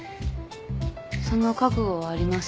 その覚悟はあります。